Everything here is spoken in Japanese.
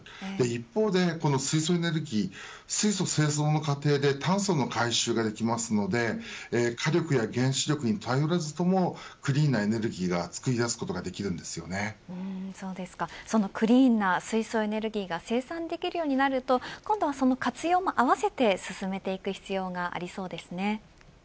一方で、この水素エネルギーは製造の過程で炭素の回収ができますので火力や原子力に頼らずともクリーンなエネルギーをクリーンな水素エネルギーが生産できるようになると今度は活用も合わせて進めていく必要がありそうですね。